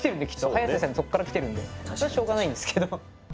ハヤセさんそこからきてるんでそれはしょうがないんですけど。